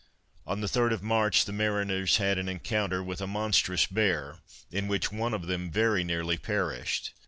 On the third of March the mariners had an encounter with a monstrous bear, in which one of them very nearly perished.